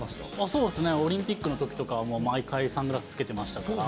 そうですね、オリンピックのときとかは、毎回サングラスつけてましたから。